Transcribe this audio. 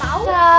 kalian berisik deh